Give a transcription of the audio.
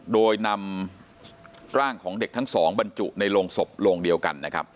โดยนำร่างของเด็กทั้งสองบรรจุในโรงศพโรงเดียวกันนะครับ